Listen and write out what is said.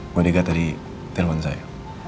bodegat tadi temen saya